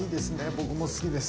僕も好きです。